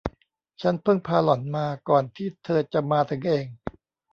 ฉันเพิ่งพาหล่อนมาก่อนที่เธอจะมาถึงเอง